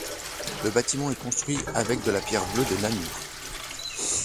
Le bâtiment est construit avec de la pierre bleue de Namur.